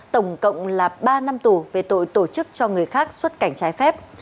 tổng cộng là ba năm tù về tội tổ chức cho người khác xuất cảnh trái phép